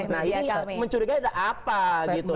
nah ini mencurigai ada apa gitu